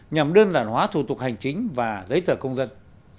nhằm đơn giản hóa thủ tục hành chính và giấy tờ công dân